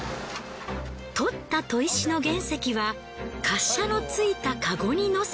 採った砥石の原石は滑車のついたカゴに乗せ。